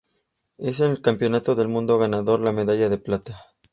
En el Campeonato del mundo ganaron la medalla de plata.